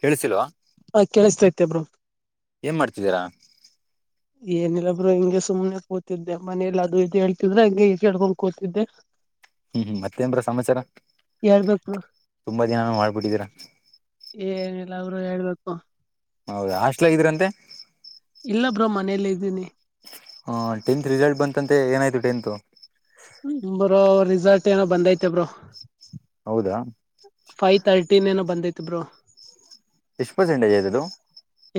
ಕಣಸಲ್ವಾ ಹ ಕೇಳಿಸತೈತೆಬ್್ರರು ಏನ್ ಮಾಡ್ತಿದ್ದೀರಾ ಏನಿಲ್ಲಬ್ರು ಹಿಂಗೆ ಸುಮ್ಮ್ನೆ ಕೂತಿದ್ದೆ ಮನೇಲಿ ಅದು ಇ ಹೇಳ್ತಿದ್ರ ಹಂಗಗೆ ಇದ ಹೇಳ್ಕೊಂಡ್ ಕೂತಿದ್ದೆ ಹ್ಮ್ ಮತ್ತೇಂದ್ರ ಸಮಾಚಾರ ಹೇಳ್ಬೇಕು ತುಂಬಾ ದಿನಾನ ಮಾಡ್ಬಿಟ್ಟಿದೀರ ಏನಲ್ಲ ಅವರು ಹೇಳ್ಬೇಕು ಹೌದಾ ಹಾಸ್ಲ ಇದ್ರಂತೆ ಇಲ್ಲ ಬ್ರೋ ಮನೇಲ್ಲ ಇದ್ದೀನಿ ಹ ಟೆಂತ್ ರಿಸಲ್ಟ್ ಬಂತಂತೆ ಏನಾಯ್ತು ಟೆಂತ್ ಬ್ರೋ ಏನೋ ಬಂದೈತೆ ಬೋ ಹೌದಾ ಫೈವ್ ತರ್ಟಿ ಏನೋ ಬಂದೈತೆ ಬ್ರೊಂ ಇಶಪ ಜಂಡೆದದು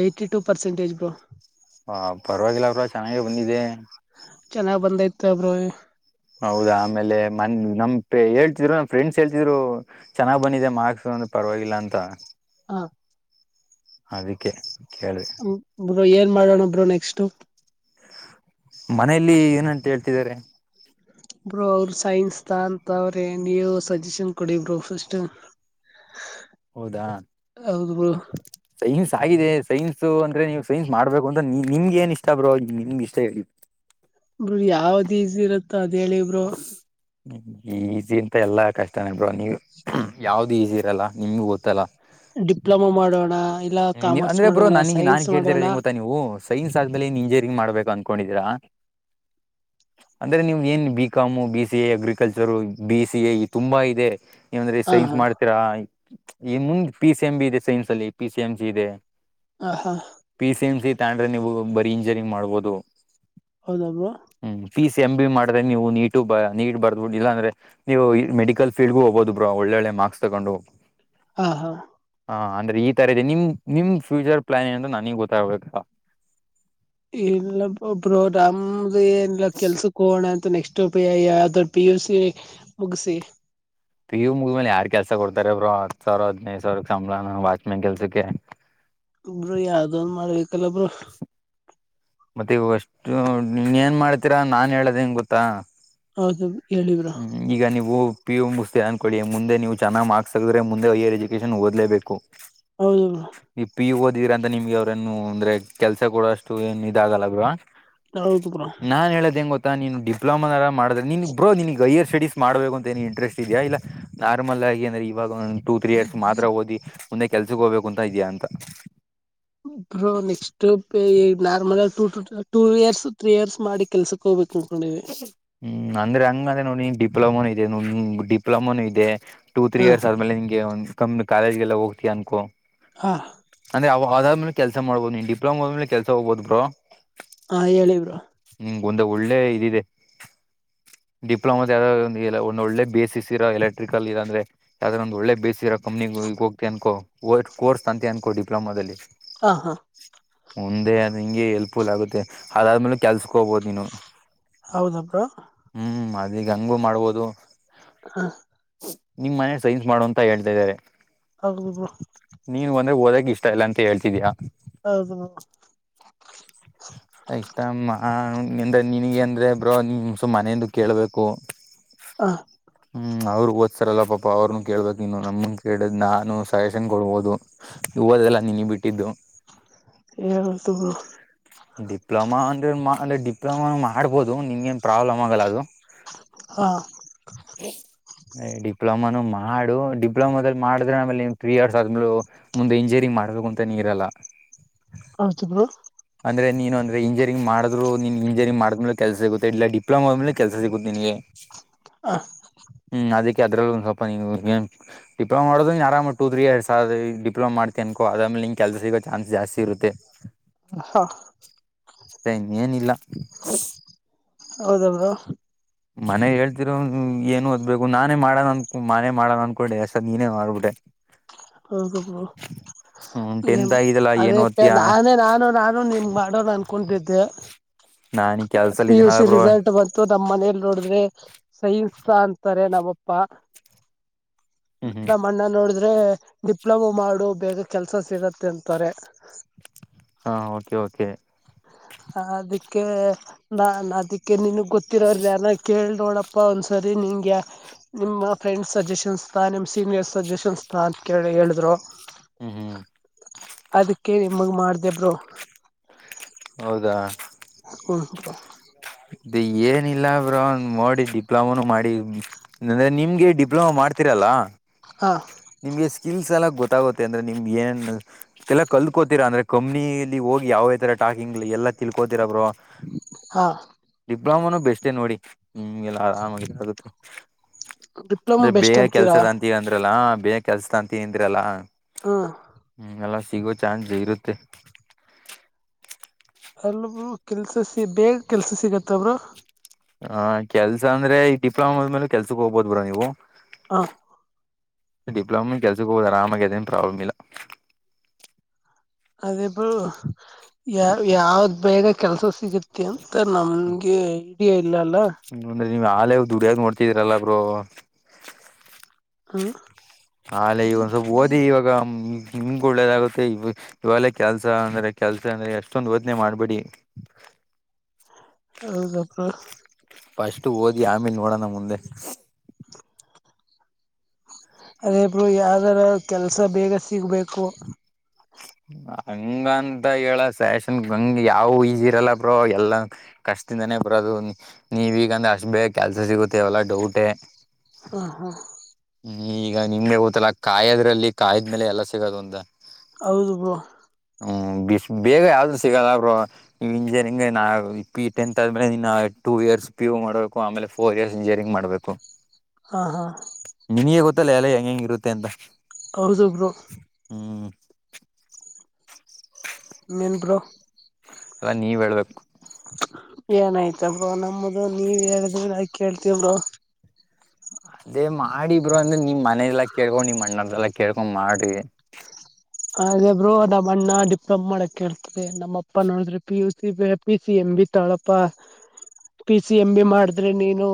ಏ್ಟಿ ಟು ಪರ್ಸೆಂಟೇಜ್ ಬೋ ಹ ಪರವಾಗಿಲ್ಲ ಅವ್ರ ಚೆನ್ನಾಗೆ ಬಂದಿದೆೆ ಚೆನ್ನಾಗ್ ಬಂದೈತಬ್ರ ಹೌದಾ ಆಮೇಲೆ ಮ ನಮ್ ಹೇಳ್ತಿದ್ರು ನಮ್ ಫ್ರೆಂಡ್ಸ್ ಹೇಳ್ತಿದ್ರು ಚೆನ್ನಾಗ್ ಬಂದಿದೆ ಮಾರ್ಕ್ಸ್ ಪರವಾಗಿಲ್ಲ ಅಂತ ಹ ಅದಕ್ಕೆ ಕೇಳಿದೆ ಹ ಒಬ್ರು ಏನ್ ಮಾಡೋಣೊಬ್ರು ನೆಕ್ಸ್ಟ್ ಮನೇೆಯಲ್ಲಿ ಏನಂತ ಹೇಳ್ತಿದ್ದಾರೆ ಹ ಬ್ರೋ ಅವ್ರ ಸೈನ್ಸ್ ತ ಅಂತವ್ರೆ ನೀವು ಸಜೆಷನ್ ಕೊಡಿ ಬರು ಫಸ್ಟ್ ಹೌದಾೈ ಹೌದು ಬ್ರೋ ಾಗಿದೆ ಸೈನ್ಸ್ ಅಂದ್ರೆ ನೀವು ಸೈನ್ಸ್ ಮಾಡ್ಬೇಕು ಅಂತ ನಿಮ್ಗೆ ಏನ್ ಇಷ್ಟ ಬ್ರೋ ನಿಮ್ಗೆ ಇಷ್ಟ ಹೇಳ ಬ್ರರು ಯಾವ್ದ ಈಜಿ ಇರುತ್ತ ಅದ ಹೇಳಿ ಬರು ಈಸಿ ಅಂತ ಎಲ್ಲಾ ಕಷ್ಟ ನ ಬ್ರ ನೀವ್ ಯಾವ್ದು ಈಸಿ ಇರಲ್ಲ ನಿಮಗ ಗೊತ್ತಲ್ಲ ಡಿಪ್ಲೊಮಾ ಮಾಡೋಣ ಇಲ್ಲ ಕಾಮರ್ಸ್ ಅ್ರೆಬ್್ರೋ ಮಾಡೋಣ ನನಗ ನಾನ್ ಸೈನ್ಸ್ ಕೇಳ್ತಿರದ ಮಾಡೋಣ ಹೆಂಗ ಗೊಾ ನೀವು ಸೈನ್ಸ್ ಆದ್ಮೇನ್ ಇಂಜಿನಿಯರಿಂಗ್ ಮಾಡ್ಬೇಕು ಅನ್ಕೊಂಡಿದರಾ ಅಂದ್ರೆ ನೀವು್ ಏನ್ ಬಿಿಕಾಮು B C A agriculture B C A ತುಂಬಾ ಇದೆ ಏಂದ್ರೆ ಹ ಸೈನ್ಸ್ ಹಾ ಮಾಡ್ತೀರಾ ನ್ ಮುಂದೆ ಪಿ ಸಿ ಎಂ ಬಿ ಇದೆ ಸೈನ್ಸ್ ಅಲ್ಲಿ ಪಿ ಸಿ ಎಂ ಜಿ ಇದೆ ಹ ಹಾ ಪಿ ಸಿ ಎಂ ಸಿ ತಂಡ್ರೆ ನೀವು ಬರೀ ಇಂಜರಿಂಗ್ ಮಾಡ್ಬೋದು ಹೌದಬಾ ಫೀಸ್ ಎಂ್ ಬಿ ಮಾಡಿದ್ರೆ ನೀವು ನೀಟು ನೀಟ್ ಬರ್ಬ ಇಲ್ಲಾಂದ್ರೆ ನೀವು ಮೆಡಿಕಲ್ ಫೀಲ್ಡ್ಗು ಹೋಗಬೋುದು ಬ್ರಾ ಒಳ್ಳೆ ೇಳೆ ಮಾಕ್ಸ್ ತಗೊಂಡು ಹೋಗು ಹಾ ಹಾ ಹಾ ಅಂದ್ರೆ ಈ ತರ ಇದೆ ನಿಮ್ ನಿಮ್ ಫ್ಯೂಚರ್ ಪ್ಲಾನ್ ಏಂತ ನನಗ್ ಗೊತ್ತಾಗ್ಬೇಕ ಇಲ್ಲ ಒಬ್ಬ್ರೋ ರಮ್ದ ಏನಲ್ಲ ಕೆಲ್ಸಕ್ಕೆ ಹೋಣಂತ ನೆಕ್ಸ್ಟ್ ಪಿ್ರ ಪಿ ಯು ಸಿ ಮುಗಿಸಿ ಟಿ ಮುಗ ಮೇಲೆ ಯಾರ್ ಕೆಲ್ಸ ಕೊಡ್ತಾರೆ ಬ್ರೋ ಹತ್ ಸಾವಿರ ಹದ್ನೈದು ಸಾವಿರ ಸಂಬಳಾನ ವಾಚ್ಮೆನ್ ಕೆಲ್ಸಕ್ಕೆ ಒಬರು ಯಾವ್ದನ್ ಮಾಡ್ಬೇಕಲ್ಲ ಒಬ್ರು ಮತ್ತೆ ಇ ಅಷ್ಟು ನೀ ಏನ್ ಮಾಡ್ತೀರಾ ನಾನ್ ಹೇಳೋದ್ ಹೆಂಗ ಗೊತ್ತಾ ಹೌದ ಹ್ಮ್ ಈಗ ನೀವು ಪಿ ಎಮ ಮುಕ್ಸ್ ಅನ್ಕೊಳ್ಳಿ ಮುಂದೆ ನೀವು ಚನ್ನ ಮಾರ್ಕ್ಸ್ ತಗಿದ್ರೆ ಮುೆ ಹಯರ್ ಎುಕೇನ್ ಓದ್ೇಬೇಕು ಹೌದೌದು ಇದ್ರ ಅಂತ ನಿಮ್ಗೆ ಅವ್ರೇಏನು ಅಂದ್ರೆ ಕೆಲ್ಸ ಕೂಡ ಅಷ್ಟು ಏನ್ ಇದಾಗಲ್ಲ ಅಲ್ವಾ ಹೌದು ಬ್ರೋ ನೀನ್ ಡಿಪ್ಲೋಮಾಾರ ಮಾಡಿದೆ ನಿನ್ ಬ್ರೋ ನಿಿನಗೆ ಹೈಯರ್ ಸ್ಟಡೀಸ್ ಮಾಡಬೇಕುಂತ ಏನು ಇಂಟ್ರೆಸ್ಟ್ ಇದೆಯಾ ಇಲ್ಲ ನಾರ್ಮಲ್ಲ ಆಗಿ ಅಂದ್ರೆ ಇವಾಗ ಟೂ ತ್ರೀ ಇಯರ್ಸ್ ಮಾತ್ರ ಓದಿ ಮುಂದೆ ಕೆಲ್ಸಕ್ಕೆ ಹೋಗ್ಬೇಕುಂತ ಇದ್ಯಾಾ ಅಂತ ಬ್ರೋ ನೆಕ್ಸ್ಟ್ ನಾರ್ಮಲ್ ಆಗಿ two two years three years ಮಾಡಿ ಕೆಲ್ಸಕ್ ಹೋಗ್ಬೇಕು ಅನ್ಕೊಂಡಿವಿ ಹ್ಮ್ ಅಂದ್ರೆ ಹಂಗ ಅದ್ರೆ ನೋಡಿ ಡಿಪ್ಲೊಮಾನೂ ಇದೆ ಡಿಪ್ಲೊಮಾನೂ ಇದೆ ಟೂ ತ್ರೀ ಹ ಇಯರ್ಸ್ ಆದ್ಮೇಲೆ ನಿಂಗೆ ಒಂದ ಕಾಲೇಜಗೆಲ್ಲ ಹೋಗ್ತಿಯ ಅನ್ಕೋ ಹಾ ಆ ಆದ್ಮೇಲೆ ಕೆಲಸ ಮಾಡ್ಬೋದು ನೀನ್ ಡಿಪ್ಲೋಮಾದ ಆದ ಮೇಲೆ ಕೆಲಸ ಹೋಗಬಹುದು ಬ್ರೋ ಹಾ ಹೇಳಿ ಬ್ರೋ ಹ ಒಂದ ಒಳ್ಳೆ ಇದಿದೆ ಡಿಪ್ಲೋಮೋ ಯಾವ ಒಂದ ಒಳ್ಳೆ ಬೇಸ ಇರೋ ಎಲೆಕ್ಟ್ರಿಕಲ್ ಅಂದ್ರೆ ಯಾವ್ದ್ರ್ ಬೇಸ್ ಇರೋ ನ ಹೋಗ್ತಿ ಅನ್ಕೋ ಕೋರ್ಸ್ ತಗೊತ್ತಿ ಅನ್ಕೋ ಡಿಪ್ಲೊಮಾದಲ್ಲಿ ಹ ಹಾ ಮುಂದೆ ನಿಂಗೆ ಎಲ್ಪ್ಫುಲ್ ಆಗುತ್ತೆ ಅದಾದ್ಮೇಲೆ ಕೆಲ್ಸಸ್ಕೋಬೋದು ನೀನು ಹೌದ ಬ್ರೋ ಹ್ಮ್ ಅದೀಗ ಹಂಗೂ ಮಾಡ್ಬೋದು ಹಾ ನಿಮ್ ಮನೆ ಸೈನ್ಸ್ ಮಾಡುವ ಅಂತ ಹೇಳ್ತಾಿದ್ದಾರೆ ಹೌದು ಬ್ರೋ ಅಂದ್ರ ಓದಕ್ ಇಷ್ಟ ಇಲ್ಲ ಅಂತ ಹೇಳ್ತಿದ್ಯಾಾ ಹೌದು ಹ ಎಂದ್ರೆ ನಿನಗೆ ಅಂದ್ರೆ ಬ್ರೋ ನಿಮಸು ಮನೆಯಂದು ಕೇಳ್ಬೇಕು ಹ ಹ್ಮ್ ಅವ್ರಗ್ ಓದ್ಸಾರಲ್ಲ ಪಾಪ ಅವ್ರನು ಕೇಳ್ಬೇಕಕ್ ಇನ್ನು ನಮನ್ ಕೇಳ್ ನಾನು ಸಜೆಷನ್ ಕೊಡ್ಬೋದು ಇವು ಓದೋದೆಲ್ಲ ನಿನಗ್ ಬಿಟ್ಟಿದ್ದು ಹೇಳ್ಬೇಕು ಬ್ರೋ ಅಂದ ಡಿಪ್ಲೊಮಾ ಮಾಡಬೋದು ನಿಂಗೇನು ಪ್ರಾಬ್ಲಮ ಆಗೋಲ್ಲ ಅದು ಹಾ ಡಿಪ್ಲೋಮ ನ ಮಾಡ ಮಾಡು ಡಿಪ್ಲೊಮದಲ್ಲಿ ಮಾಡ್ರೆ ನಮೇಲೆ ತ್ರ್ರೀ ಇಯರ್ಸ್ ಆದ್ಮೂ ಮುಂದೆ ಎಂಜಿನಿಯರಿಂಗ್ ಮಾಡಬೇಕು ಅಂತಾನ ಇರಲ್ಲ ಆಯ್ತು ಬ್ರೋ ಅಂದ್ರ ನೀನು ಅಂದ್ರೆ ಇಂಜಿಯರಿಂಗ್ ಮಾಡುದ್ರು ನೀನ್ ಇಂಜಿನಿಯರಿಂಗ್ ಮಾಡ್ದ್ಮೇಲೆ ಕೆಲಸ ಸಿಗುತ್ತೆ ಇಲ್ಲ ಡಿಪ್ಲೋಮಾದ ಆದ್ಮೇಲೆ ಕೆಲಸ ಸಿಗುತ್ತ ನಿನಗೆ ಹ ಅದರಲ್ಲಿ ಒ ಡಿಪ್ಲೊಮಾ ಮಾಡೋ ಆರಾಮ ಟ ತ್ರೀ ಇಯರ್ಸ್ ಡಿಪ್ಲೋಮ ಮಾಡ್ತ ಅಕೋ ಅಾದೇಲೆ ಕೆಲಸ ಸಿಗೋ ಚಾನ್ಸ್ ಜಾಸ್ತಿ ಇರುತ್ತೆ ಹಾ ಅಷ್ಟೆ ಇನ್ೇಏನಿಲ್ಲ ಹೌದ ಬ್ರೋ ಮನೆಗ್ ಹೇಳ್ತಿರೋ ಏನು ಓದ್ಬೇಕು ನಾನೇ ಮಾಡಣ ಅನ್ಕ ಮನೆ ಮಾಡೋಣ ಅನ್ಕೊೊಳ್ಳಿಸ ನೀನೇ ಮಾಡ್ಬಿಟೆ ಹ್ಮ್ [unintelligible] ಟೆಂತ್ ಆಗಿದೆಲ್ಲ ಏನ್ ಓದ್ತಿಯಾ ನಾನು ನಾನು ನಿಮ್ ಮಾಡೋದು ಅನ್ಕೊಂಡಿದ್ದೆ ನಾನ್ ಈ ಕೆಲ್ಸಲ್ ಪಿ ಯು ಇದೀನಲ್ಲ ಸಿ ಬ್ರೋ ರಿಸಲ್ಟ್ ಬಂತು ತಮ್ಮ್ ಮನೇಲಿ ನೋಡಿದ್ರೆ ಸೈನ್ ಅಂತಾರೆ ನಮ್ಮಪ್ಪ ಹ್ಮ್ ಹ್ಮ್ ನಮ್ಮ ಅಣ್ಣ ನೋಡಿದ್ರ ಆದ್ರೆ ಡಿಪ್ಲೊಮೋ ಮಾಡು ಬೇಗ ಕೆಲ್ಸ ಸಿಗತ್ತೆ ಅಂತಾರೆ ಹಾ ಓಕೆ ಓಕೆ ಅದಕ್ಕೆ ನಾ ಅದಕ್ಕೆ ನಿಿನ ಗೊತ್ತಿರೋಾನ ಕೇಳ ನೋಡಪ್ಪ ಒಂದ್ಸರಿ ನಿಂಗೆ ನಿಮ್ಮ ಫ್ರೆಂಡ್ಸ್ ಸಜೆಷನ್ಸ್ ತಾ ನಿಮ್ಮ ಸೀನಿಯರ್ಸ್ ಸಜೆಷನ್ಸ್ ತಾ ಕೇಳಿ ಹೇಳಿದ್ರು ಹ್ಮ್ ಹ್ಮ್ ಅದಕ್ಕೆ ನಿಮಗ ಮಾಡ್ದೆ ಬ್ರೋ ಹೌದಾ [unintelligible] ಏನಿಲ್ಲ ಬ್ರೋ ಒ ನೋಡಿ ಡಿಪ್ಲೊಮಾನೂ ಮಾಡಿಂದ್ರೆ ನಿಮ್ಗೆ ಡಿಪ್ಲೊಮಾ ಮಾಡ್ತಿರ ಹಾ ನಿಮಗೆ ಸ್ಕಿಲ್ಸ್ ಎಲ್ಲ ಗೊತ್ತಾಗುತ್ತೆ ಅಂದ್ರೆ ನಿಮ್ ಏನ್ ಎಲ್ಲಾ ಕಲ್ತ್ಕೋತೀರಾ ಅಂದ್ರೆ ಕಂಪ್ನಿಲಿ ಹೋಗಿ ಯಾವ ತರ ಟಾಕಿಂಗ್ ಎಲ್ಲಾ ತಿಳ್ಕೋತಿರ ಬ್ರೋ ಹಾ ಡಿಪ್ಲೋಮನ್ ಬೆಸ್ಟ್ ನೋಡಿ ಹಗೆಲ್ಲ ಆರಾಮಾಗಿ ಡಿಪ್ಲೊಮಾ ಆಗುತ್ತೆ ಬೆಸ್ಟ್ ಬೇಯ ಅಂತೀರಾ ಕೆಲ್ಸದ ಅಂತೀಗಂತ ಬೇಯಾ ಕೆಲ್ಸತ ಅಂತಿಂದ್ರಲ್ಲ ಹ ಹ್ಮ ಎಲ್ಲ ಸಿಗೋ ಚಾನ್ಸ್ ಇರುತ್ತೆ [unintelligible] ಹ ಕೆಲ್ಸ ಅಂದ್ರೆ ಡಿಪ್ಲೊಮಾ ಆದ್ಮೇಲೆ ಕೆಲ್ಸಕ್ ಹೋಗ್ಬೋದ ಬ್ರೋ ನೀವು ಹಾ ಡಿಪ್ಲೊಮ ಕೆಲ್ಸಕ್ಕೆ ಹೋದಾರ ಆಮಾಗ ಅದೇನು ಪ್ರಾಬ್ಲಮ್ ಇಲ್ಲ ಅದೇ ಬ ಯ ಯಾವ್ದ್ ಬೇಗ ಕೆಲ್ಸ ಸಿಗತ್ತೆ ಅಂತ ನಮ್ಗೆ ಇಲ್ಲ ಅಲ್ಲ ಹ್ಮ ಅಂದ್ರೆ ನೀವ್ ಹಾಲ ದುಡಿಯದ ದೊಡಿತಿರಲ್ಲ ಬ್ರೋ ಹಾ ಆಲೆ ಈಗ ಒಂದ್ ಸ್ವಲ್ಪ ಓದಿ ಇವಾಗ ಈ ನಿಮ್ಗೂ ಒಳ್ಳೇದಾಗುತ್ತೆ ಇ ಇವಲ್ಲ ಕೆಲ್ಸ ಅಂದ್ರೆ ಕೆಲ್ಸ ಅಂದ್ರೆ ಎಷ್ಟೊಂದ್ ಓದನೆ ಮಾಡ್ಬಿಡಿ [unintelligible] ಫಸ್ ಓದಿ ಆಮೇಲೆ ನೋಡೋಣ ಮುಂದೆ ಅದೇಬ ಬ್ರೋ ಯಾವ್ದಾರ ಕೆಲ್ಸ ಬೇಗ ಸಿಗ್ಬೇಕು ಹಂಗ ಅಂತ ಹೇಳ ಸ್ಯಾಷನ್ ಹಂಗ ಯಾವ ಈಜಿ ಇರಲ್ಲ ಬ್ರೋ ಎಲ್ಲ ಕಷ್ಟ ಕಷ್ಟದಿಂದ ನೆ ಬರೋದು ನೀವೀಗ ಅಂದ್ರೆ ಅಷ್ಟ್ ಬೇ ಕೆಲ್ಸ ಸಿಗುತ್ತೇವಲ್ಲ ಡೌಟೇ ಹಾ ಹಾ ಈಗ ನಿಮ್ಗೆ ಗೊತ್ತಲ್ಲ ಕಾಯದ್ರಲ್ಲಿ ಕಾಯಿದ್ಮೇಲೆ ಎಲ್ಲ ಸಿಗೋದು ಅಂತ ಹೌದು ಬ್ರೋ ಬಿಸ್ ಬೇಗ ಯಾವು್ದೂ ಸಿಗೋಲ್ಲ ಅವರು ನೀವು ಇಂಜಿನಿಯರಿಂಗ್ ನಾ ಪಿ ಟೆಂತ್ ಆದ್ಮೇಲೆ ನಿನ್ನ ಟು ಇಯರ್ಸ್ ಪಿ ಯು ಮಾಡ್ಬೇಕು ಆಮೇಲೆ ಫೋರ್ ಇಯರ್ಸ್ ಇಂಜಿನಿಯರಿಂಗ್ ಮಾಡ್ಬೇಕು ಹ ಹಾ ಇ ಎಲ್ಲ ಹೆಂಗಗೆ ಹೆಂಗ ಇರುತ್ತೆ ಅಂತ ಹೌದ ಬ್ರೋ ಹ್ಮ ಇನ್ನೇನ್ ಬ್ರೋ ಅಲ್ಲ ನೀವ್ ಹೇಳ್ಬೇಕು ಏನಾಯ್ತ ಬ್ರೋ ನಮ್ಮದು ನೀವ ಹೇಳಿದಿ ನಾ ಕೇಳ್ತೀವರು ಅದೇ ಮಾಡಿ ಬ್ರೋ ಅಂದ್ರೆ ನಿಮ ಮನೆಲ್ಲ ಕೇಳ್ಕೊ ನಿಮ್ಮ ಅಣ್ಣರ್ಲ್ಲಾ ಕೇಳ್ಕೊ ಮಾಡಿ ಹಾಗೆ ಬ್ರೋ ನಮ್ಮ್ ಅಣ್ಣ ಡಿಪ್ಲೊಮ ಮಾಡಕ್ ಹೇಳ್ತಾರೆ ನಮ್ಮಪ್ಪ ನೋಡಿದ್ರೆ P U C P C M ಅಂಬಿ ತಾಳಪ್ಪ ಪಿ ಸಿ ಎಂ ಬಿ ಮಾಡಿದ್ರೆ ನೀನು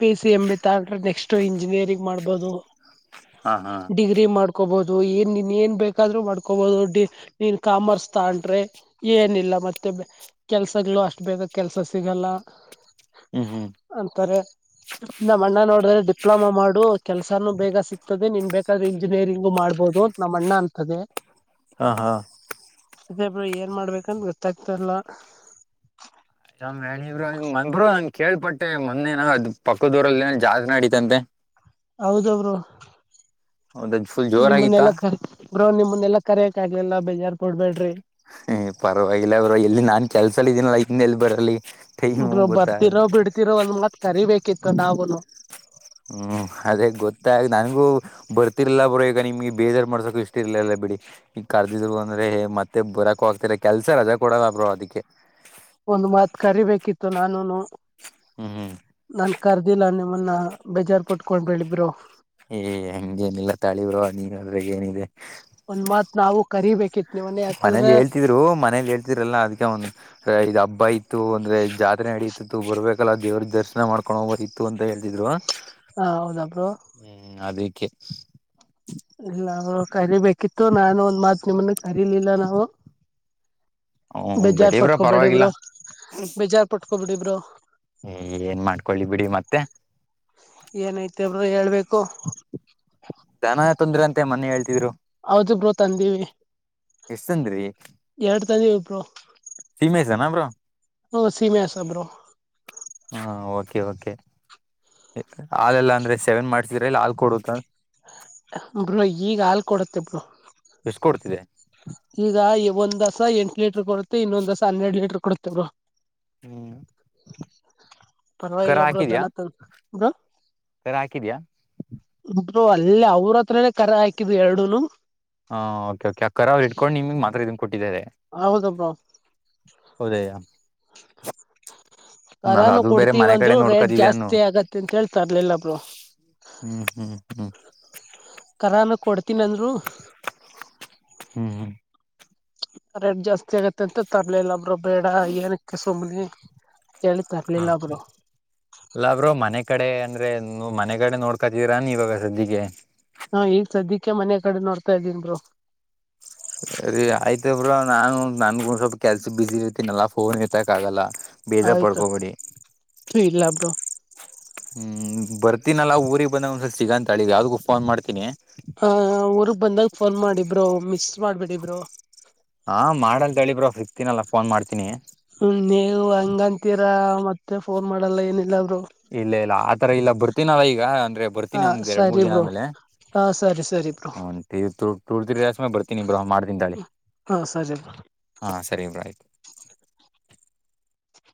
ಪಿ ಸಿ ಎಮ್ ಬಿ ತಗೊಂಡ್ರೆ ನೆಕ್ಸ್ಟ್ ಇಂಜಿನಿಯರಿಂಗ್ ಮಾಡ್ಬೋದು ಹಾ ಹಾ ಡಿಗ್ರಿ ಮಾಡ್ಕೋಬಹುದು ಏನ್ ನೀನ್ ಏನ್ ಬ ಯಾದ್ರರು ಮಾಡ್ಕೋಬಹುದು ಡಿ ನೀನ್ ಕಾಮರ್ಸ್ ತಂಡ್ರೆ ಏನಿಲ್ಲ ಮತ್ತೆ ಕೆಲಸಗಳು ಅಷ್ಟು ಬೇಗ ಕೆಲ್ಸ ಸಿಗಲ್ಲ ಹ್ಮ್ ಹ್ಮ್ ಅಂತಾರೆ ನಮ್ಮ ಅಣ್ಣ ನೋಡಿದ್ರೆ ಡಿಪ್ಲೊಮಾ ಮಾಡು ಕೆಲ್ಸಾನು ಬೇಗ ಸಿಗ್ತದೆ ನೀನ್ ಬೇಕಾದ್ರೆ ಇಂಜಿನಿಯರಿಂಗು ಮಾಡ್ಬೋದು ನಮ್ಮ ಅಣ್ಣ ಅಂತದೆ ಹಾ ಹಾ ಅದೇಬ್ರ ಏನ್ ಮಾಡ್ಬೇಕಂತ ಗೊತ್ತಾಗ್ತಲ್ಲ ಆಿರು ಹಂಗಗೆ ಕೇಳ್ಪಟ್ಟೆ ಮೊೇನ ಅದ್ ಪಕ್ಕ ದೂರಲ್ಲಿ ಏ ಜಸ್ ನಡತಂತೆ ಹೌದ ಬ್ರೋ ಹೌದದ್ ಫುಲ್ ಜೋರಾಗಿತ್ತಾ ನಿಮ್ಮನ್ನೆಲ್ಲ ಕರಿ ಬ್ರೋ ನಿಮ್ಮನ್ನೆಲ್ಲಾ ಕರಿ ಚಾಗ ಎಲ್ಲಾ ಬೇಜಾರ್ು ಕೊಡ್ಬೇಡ್ರಿ ಹ ಪರವಾಗಿಲ್ಲ ಅವರು ಎಲ್ಲಿ ನಾನ್ ಕೆಲ್ಸಲ್ಲ ಇದೀನ ಇದ್ಲ್ಲಿ ಬರಲಿ ಟೈಮು ಗೊತ್ತಾಗ ಬರ್ತಿರೋ ಬಿಡ್ತಿರೋ ಒಂದ್ ಮಳಕ್ ಕರಿಬೇಕಿತ್ತು ನಾವವುೂನು ಹ್ಮ್ ಅದೇ ಗೊತ್ತ ನನ್ಗೂ ಬರ್ತಿರ್ಲ್ಲ ಬರೋ ಈಗ ನಿಮ್ಗೆ ಬೇಜಾರ್ು ಮಾಡ್ಸಕು ಇಷ್ಟ ಇರ್ಲಲ್ಲ ಬಿಡಿ ಈ ಕರ್ದಿದ್ರು ಅಂದ್ರೆ ಮತ್ತೆ ಬರಕ ಹೋಗ್ತರ ಕೆಲ್ಸ ರಜಾ ಕೊಡದ ಬ್ರೋ ಅದಿಕ್ಕೆ ಒಂದ್ ಮಾತ್ ಕರಿಬೇಕಿತ್ತು ನಾನುನು ಹ್ಮ್ ಹ್ಮ್ ನನ್ ಕರ್ದಿಲ್ಲ ನಿಮ ನನ್ನ ಬೇಜಾರ್ು ಪಟ್ಕೊಂಡ್ಬಿದರು ಏ ಹಂಗೇನಿಲ್ಲ ತಾಳಿರು ನೀವ ಅದ್ರಗ್ ಏನಿದೆ ಕರಿೀಬೇಕಿತ್ತು ಮನೇಲಿ ಹೇಳ್ತಿದ್ರು ಮನೇಲಿ ಹೇಳ್ತಿದ್ರಲ್ಲಾ ಅದಕ್ಕೆ ಒಂದು ಇದು ಹಬ್ಬ ಇತ್ತು ಅಂದ್ರೆ ಜಾತ್ರೆ ನಡೀತಿತ್ತು ಬರ್ಬೇಕಲ್ಲ ದೇವ್ರ ದರ್ಶನ ಮಾಡ್ಕೊಂಡು ಹೋಗರ್ ಇತ್ತು ಅಂತ ಹೇಳ್ತಿದ್ರು ಹಾ ಹೌದಬ್ರು ಓಕೆ ಇಲ್ಲ ಅವರು ಕರಿಬೇಕಿತ್ತು ನಾನು ಒಂದ್ ಮಾತ್ ನಿಮ್ಮನ್ನ ಕರಿಲಿಲ್ಲ ನಾವು ಹ್ಮ ಬಿಡಿ ಬ್ರೋ ಬೇಜಾರ್ಪಟ್ಕೋ ಪರವಾಗಿಲ್ಲ ಬಿಿಡಿಬರು ಬೇಜಾರ್ಪಟ್ಕೋ ಬಿಿಡಿಬರು ತ್ತ ಏನೈತಿಬರು ಹೇಳ್ಬೇಕು ದನ ತೊಂದ್ರ ಅಂತೆಂತ ಮನ್ನಿ ಹೇಳ್ತಿದ್ರು ಹೌದು ಬರು ತಂದೀವಿ ಎಷ್ಟ್ ಎರಡು ತಂದೀವಿ ಬ್ರರು ಸಿೀಮೆ ಸ ನಮ್ರರು ಹ್ಮ ಸೀಮ ಸಬರು ಹಾಾಲ ಎಲ್ಲ ಅಂದ್ರೆ ಸೆವೆನ್ ಮಾಡ್ತರಲ್ಲ ಹಾಲ್ ಕೊಡುತ್ತ ಬ್ರೂ ಈಗ ಹಾಲ್ ಕೊಡತ್ತೆ ಬ್ರೂ ಎಷ್ಟು ಕೊಡ್ತಿದೆ ಈಗ ಒಂದ್ ದಸ ಎಂಟಟ್ ಲೀಟರ್ ಕೊಡುತ್ತೆ ಇನ್ನೊಂದ್ಸ ಹನ್ನೆರಡ್ ಲೀಟರ್ ಕೊಡುತ್ತೆ ಅವರು ಹ್ಮ್ ಪರವಾಗಿ ಇಲ್ಲ ಬ್ರೋ ಧನತ ಬ್ರೋ ಸರ ಹಾಕಿದ್ಯಾಾ ಉಂಟರು ಅಲ್ಲೇ ಅವ್ರ ಹತ್ರನೆೇ ಕರ ಹಾಕಿದು ಎರಡುನು ಹಾ ಓಕೆ ಕೆ ಅಕ್ಕ ಅವರು ಇಟ್ಕೊಂಡ ನಿಮಗೆ ಮಾತ್ರ ಇದ ಕೊಟ್ಟಿದ್ದಾರೆ ಹೌದ ಬ್ರೋ ಹೌದಯ ರಾನು ಕೊಡ್ತಿೀವಂದ್ರು ರೇಟ್ ಜಾಸ್ತಿ ಆಗತ್ತೆ ಅಂತ ಹೇಳ್ತಾರಲಿಲ್ಲಬ್ರು ಹ್ಮ್ ಹ್ಮ್ ಹ್ಮ್ ಕರಾನ ಕೊಡ್ತೀನ ಅಂದ್ರು ಹ್ಮ ರೇಟ್ ಜಾಸ್ತಿ ಆಗತ್ತೆ ಅಂತ ತರ್ಲೆಲ್ಲ ಒಬ್ರು ಬೇಡ ಏನಕ್ಕೆ ಸುಮ್ನೆ ಹೇಳಿ ಹಾ ತರ್ಲಿಲ್ಲ ಬ್ರೋ ಎಲ್ಲಬ್್ರರು ಮನೆ ಕಡೆ ಅಂದ ್ರೆ ನೀ್ ಮನೆಗಡೆ ನೋಡ್ಕತೀರ ನೀ ಇವಾಗ ಸಜ್ಜಿಗೆ ಹಾ ಈಗ್ ಸದ್ಯಕ್ಕೆ ಮನೆ ಕಡೆ ನೋಡ್ತಾ ಇದ್ದನ್ರು ಸರಿ ಆಯ್ತಬ್್ರ ನಾನು ನನ್ಗು ಸ್ವಲ್ಪ ಕೆಲ್ಸ ಬಿಸಿಿ ಇರ್ತನಲ್ಲ ಫೋನ್ ಇರ್ತಕ್ ಆಗಲ್ಲ ಬೇಜಾರ್ ಆಯ್ತು ಪಡ್ಕೋಬಡಿ ಇಲ್ಲ ಬ್ರೋ ಹ್ಮ್ ಬರ್ತೀನಲ್ಲಾ ಊರಿಗೆಗ್ ಬಂದ ಒಂದ್ಸಲ್ ಸಿಗಂತ ಅಳಿ ಯಾವ್ದು ಫೋನ್ ಮಾಡ್ತೀನಿ ಹ ಊರ್ಗ್ ಬಂದಾಗ ಫೋನ್ ಮಾಡಿಬರು ಮಿಸ್ ಮಾಡ್ಬಿಡಿಬರು ಹಾ ಮಾಡಂತ ಹೇಳಿಬ್ರ ಫಿಕ್ತಿನಲ್ಲ ಫೋನ್ ಮಾಡ್ತೀನಿ ಹ್ಮ ನೀವು ಹಂಗಂತೀರ ಮತ್ತೆ ಫೋನ್ ಮಾಡಲ್ಲ ಏನಿಲ್ಲ ಬ್ರೋ ಇಲ್ಲ ಇಲ್ಲ ಆತರ ಇಲ್ಲ ಬರ್ತೀನಲ್ಲ ಈಗ ಅಂದ್ರೆ ಬರ್ತೀನಿ ಹಾ ಒಂದ್ ಎರಡ್ ಮೂರ್ ಸರಿ ದಿನ ಬ್ರೋ ಆದ್ಮೇಲೆ ಹಾ ಸರಿ ಸರಿ ಬ್ರೋ ಹ ತಟೂರ್ತ ಸಮುಯ ಬರ್ತೀನಿ್ರ ಮಾಡ್್ದನ್ ದಾಳಿ ಹಾ ಸರಿ. ಹಾ ಸರಿ ಇಬ್ರಾ ಆಯ್ತು